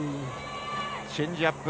チェンジアップ。